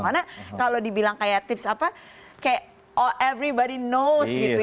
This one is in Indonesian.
karena kalau dibilang kayak tips apa kayak everybody knows gitu